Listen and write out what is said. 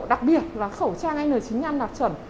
đặc biệt là khẩu trang n chín mươi năm đặc trần